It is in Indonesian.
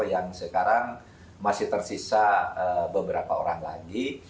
yang sekarang masih tersisa beberapa orang lagi